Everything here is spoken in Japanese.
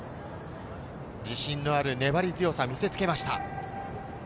自信のある粘り強さを見せつけました。